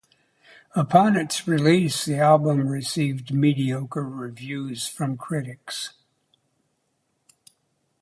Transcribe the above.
Upon its release the album received mediocre reviews from critics.